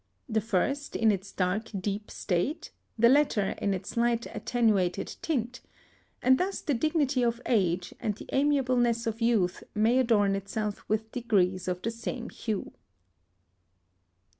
The first in its dark deep state, the latter in its light attenuated tint; and thus the dignity of age and the amiableness of youth may adorn itself with degrees of the same hue.